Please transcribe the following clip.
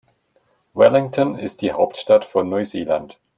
Wellington ist die Hauptstadt von Neuseeland.